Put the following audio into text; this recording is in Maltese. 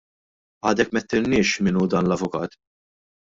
Għadek m'għidtilniex min hu dan l-avukat.